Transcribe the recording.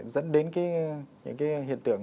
dẫn đến những cái hiện tượng